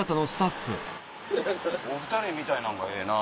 お２人みたいなんがええな。